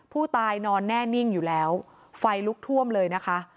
ผู้ตายนอนแน่นิ่งอยู่แล้วไฟลุกท่วมเลยนะคะ